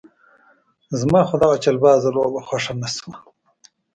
زما خو دغه چلبازه لوبه خوښه نه شوه.